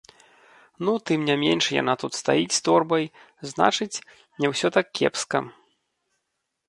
Ну тым не менш яна тут стаіць з торбай, значыць, не ўсё так кепска.